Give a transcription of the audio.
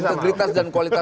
integritas dan kualitas